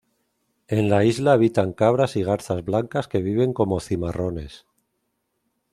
En la isla habitan cabras y garzas blancas que viven como cimarrones.